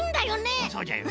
そうじゃよね。